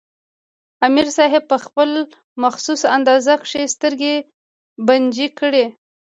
امیر صېب پۀ خپل مخصوص انداز کښې سترګې بنجې کړې